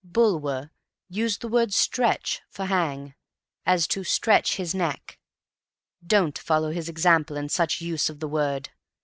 Bulwer used the word "stretch" for hang, as to stretch his neck. Don't follow his example in such use of the word.